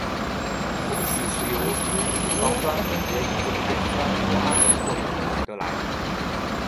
酮体是由脂肪酸分解以及氨基酸脱氨作用而得来。